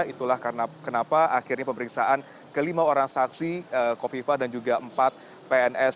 itulah kenapa akhirnya pemeriksaan kelima orang saksi kofifa dan juga empat pns